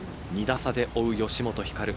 ２打差で追う吉本ひかる